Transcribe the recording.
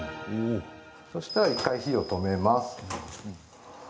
そうしたら１回、火を止めます。